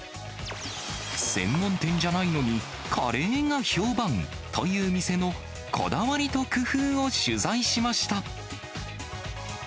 専門店じゃないのに、カレーが評判という店のこだわりと工夫を取材しました。